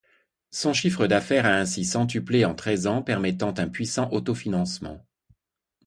Son chiffre d'affaires à ainsi centuplé en treize ans, permettant un puissant autofinancement.